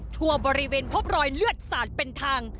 ทั่วบริเวณพบรอยเลือดสาดเป็นทาง